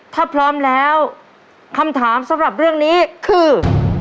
ถ้าพร้อมแล้วคำถามสำหรับเรื่องนี้คือ